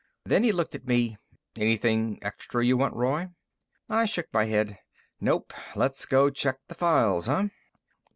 Then he looked at me. "Anything extra you want, Roy?" I shook my head. "Nope. Let's go check the files, huh?"